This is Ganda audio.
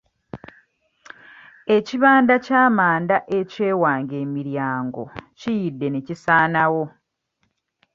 Ekibanda ky'amanda eky'ewange emiryango kiyidde ne kisaanawo.